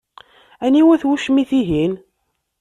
Aniwa-t wucmit-ihin?